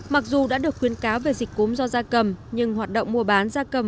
mặc dù đã được khuyến cáo về dịch cúm do gia cầm nhưng hoạt động mua bán gia cầm